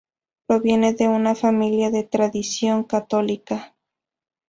Proviene de una familia de tradición católica.